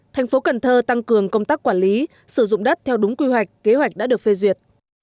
thành phố cần thơ tăng cường công tác quản lý sử dụng đất theo đúng quy hoạch kế hoạch đã được phê duyệt